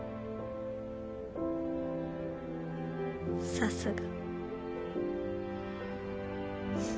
さすが。